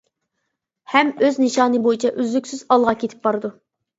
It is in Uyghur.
ھەم ئۆز نىشانى بويىچە ئۈزلۈكسىز ئالغا كېتىپ بارىدۇ.